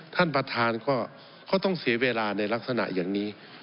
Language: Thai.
ท่านประธานก็เขาต้องเสียเวลาในลักษณะอย่างนี้